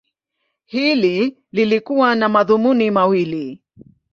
Hili lilikuwa na madhumuni mawili.